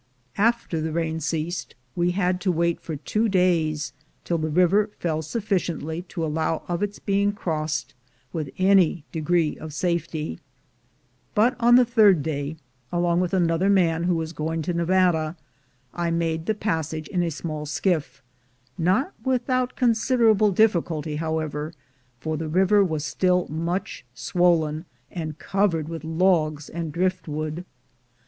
After the rain ceased, we had to wait for two days till the river fell sufficiently to allow of its being crossed with any degree of safety; but on the third day, along with another man who was going to Nevada, I made the passage in a small skiff — not without considerable difficulty, however, for the river was still much swollen, and covered with logs and driftwood.